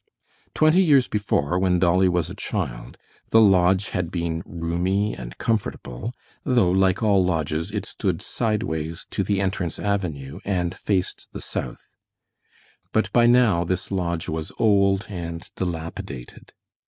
Twenty years before, when Dolly was a child, the lodge had been roomy and comfortable, though, like all lodges, it stood sideways to the entrance avenue, and faced the south. But by now this lodge was old and dilapidated.